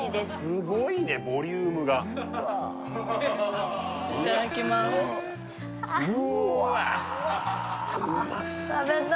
すごいねボリュームがいただきますうわ！